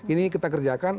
ini kita kerjakan